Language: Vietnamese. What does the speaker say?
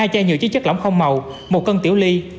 hai chai nhựa chất chất lỏng không màu một cân tiểu ly